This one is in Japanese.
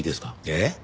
えっ？